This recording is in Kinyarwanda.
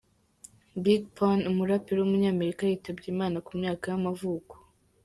Big Pun, umuraperi w’umunyamerika yitabye Imana, ku myaka y’amavuko.